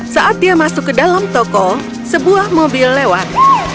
saat dia masuk ke dalam toko sebuah mobil lewat